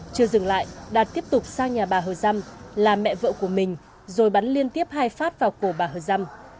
chưa dừng lại đạt tiếp tục sang nhà bà hơ dăm là mẹ vợ của mình rồi bắn liên tiếp hai phát vào cổ bà hơ dăm